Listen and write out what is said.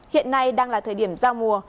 hiện nay đang là thời điểm giao mùa